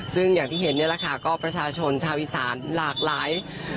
ซึ่งเห็นที่เดะล่ะค่ะก็จะติดตามกระชาชนชาวอีสานหลากหลาย